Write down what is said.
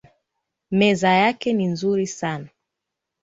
Meza yake ni nzuri sana